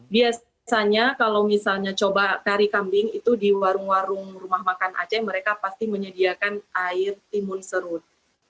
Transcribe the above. biasanya kalau misalnya coba kari kambing itu di warung warung rumah makan aceh mereka pasti menyediakan air timun serut